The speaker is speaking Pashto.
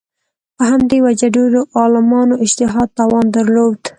په همدې وجه ډېرو عالمانو اجتهاد توان درلود